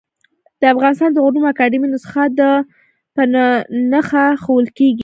د افغانستان د علومو اکاډيمۍ نسخه د ع په نخښه ښوول کېږي.